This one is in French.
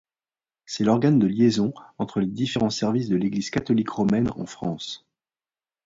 C'est l'organe de liaison entre les différents services de l'Église catholique romaine en France.